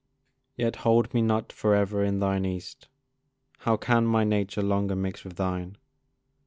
Yet hold me not for ever in thine East: How can my nature longer mix with thine?